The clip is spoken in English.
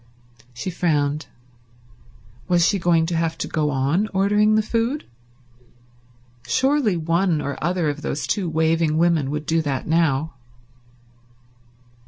She frowned. Was she going to have to go on ordering the food? Surely one or other of those two waving women would do that now.